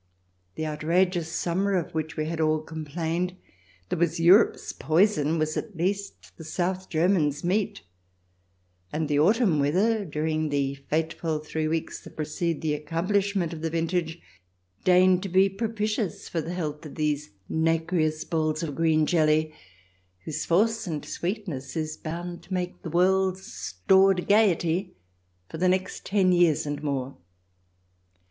The outrageous summer of which we had all complained, that was Europe's poison, was at least the South German's meat, and the autumn weather, during the fateful three weeks that precede the accomplishment of the vintage, deigned to be propitious for the health of these nacreous balls of green jelly, whose force and sweetness is bound to make the world's stored gaiety for the next ten years and more.